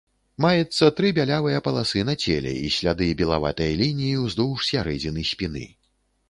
Маецца тры бялявыя паласы на целе, і сляды белаватай лініі ўздоўж сярэдзіны спіны.